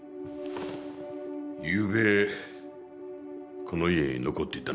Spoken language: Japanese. ゆうべこの家に残っていたのは誰だ？